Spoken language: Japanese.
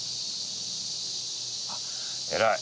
あっ偉い！